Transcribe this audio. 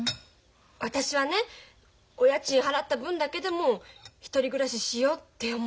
私はねお家賃払った分だけでも１人暮らししようって思ったんだけど。